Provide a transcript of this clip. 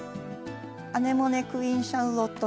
アネモネ‘クイーンシャーロット